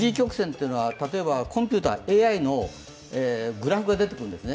例えばコンピューター、ＡＩのグラフが出てくるんですね。